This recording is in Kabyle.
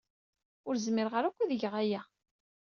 Ur zmireɣ ara akk ad geɣ aya.